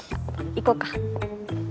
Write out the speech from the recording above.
行こうか。